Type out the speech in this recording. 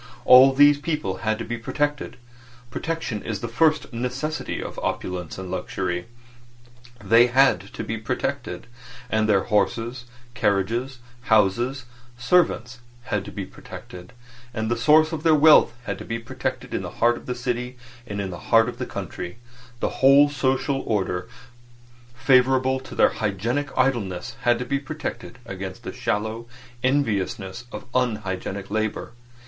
All these people had to be protected. Protection is the first necessity of opulence and luxury. They had to be protected; and their horses, carriages, houses, servants had to be protected; and the source of their wealth had to be protected in the heart of the city and the heart of the country; the whole social order favourable to their hygienic idleness had to be protected against the shallow enviousness of unhygienic labour.